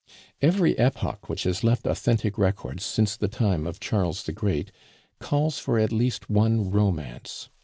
"Every epoch which has left authentic records since the time of Charles the Great calls for at least one romance.